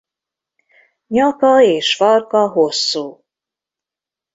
Nyaka és farka hosszú.